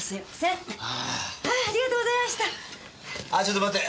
ああちょっと待って。